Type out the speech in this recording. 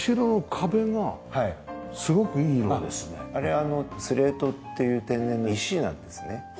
あれはスレートっていう天然の石なんですね。